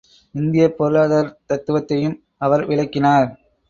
இந்தியப் பொருளாதாரத் தத்துவத்தையும் அவர் விளக்கினார்.